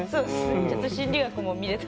ちょっと心理学も見れた。